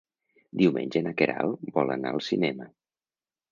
Diumenge na Queralt vol anar al cinema.